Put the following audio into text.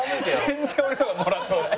全然俺の方がもらってない。